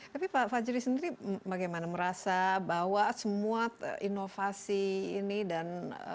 tapi pak fajri sendiri bagaimana merasa bahwa semua inovasi ini dan